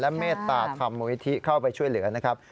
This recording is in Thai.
และเมตตาทำวิธีเข้าไปช่วยเหลือนะครับ